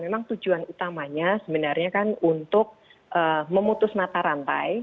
memang tujuan utamanya sebenarnya kan untuk memutus mata rantai